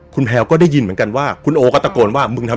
คุณแพลวก็ได้ยินเหมือนกันว่าคุณโอก็ตะโกนว่ามึงทำ